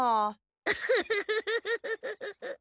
ウフフフフッ。